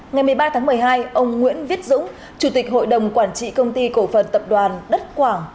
ngày một mươi ba tháng một mươi hai ông nguyễn viết dũng chủ tịch hội đồng quản trị công ty cổ phần tập đoàn đất quảng